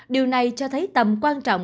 điều này cho thấy tầm quan trọng